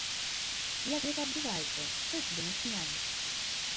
Як гэта адбываецца, што цябе натхняе?